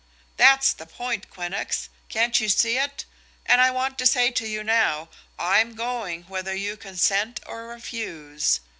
That's the point, Quinnox; can't you see it? And I want to say to you now, I'm going whether you consent or refuse.